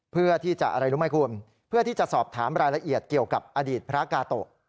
เพื่อที่จะอะไรรู้ไหมคุณเพื่อที่จะสอบถามรายละเอียดเกี่ยวกับอดีตพระกาโตะ